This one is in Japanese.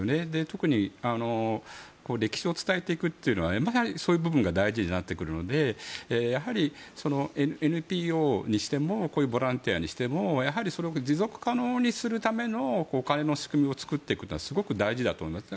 特に歴史を伝えていくというのはそういう部分が大事になってくるのでやはり、ＮＰＯにしてもこういうボランティアにしてもやはり持続可能にするためのお金の仕組みを作っていくのはすごく大事だと思います。